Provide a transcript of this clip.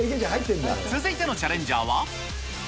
続いてのチャレンジャーは。